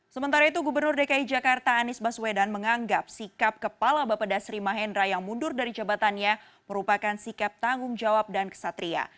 sementara itu gubernur dki jakarta anies baswedan menganggap sikap kepala bapak dasri mahendra yang mundur dari jabatannya merupakan sikap tanggung jawab dan kesatria